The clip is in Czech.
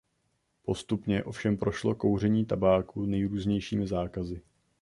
Postupně ovšem prošlo kouření tabáku nejrůznějšími zákazy.